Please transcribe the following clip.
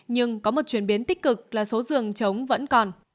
nhưng có một chuyển biến tích cực là số giường chống vẫn còn